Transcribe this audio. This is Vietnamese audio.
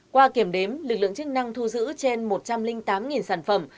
qua kiểm đếm lực lượng chức năng thu giữ trên một trăm linh tám sản phẩm